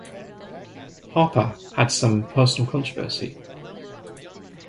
Harper had some personal controversy.